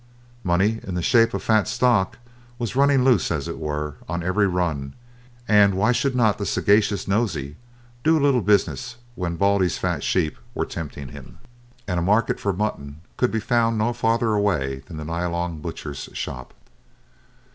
Money, in the shape of fat stock, was running loose, as it were, on every run, and why should not the sagacious Nosey do a little business when Baldy's fat sheep were tempting him, and a market for mutton could be found no farther away than the Nyalong butcher's shop.